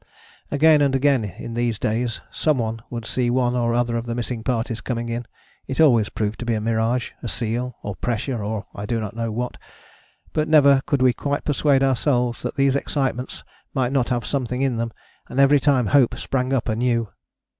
Again and again in these days some one would see one or other of the missing parties coming in. It always proved to be mirage, a seal or pressure or I do not know what, but never could we quite persuade ourselves that these excitements might not have something in them, and every time hope sprang up anew.